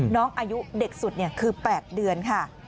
น้องอายุเด็กสุดคือ๘เดือนค่ะ